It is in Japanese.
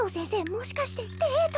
もしかしてデート？